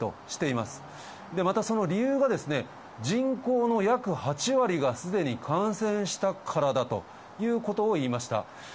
で、またその理由がですね、人口の約８割が、すでに感染したからだということを言いました。